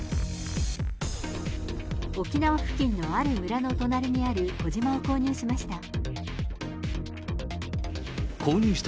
沖縄付近のある村の隣にある小島を購入しました。